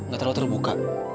gak terlalu terbuka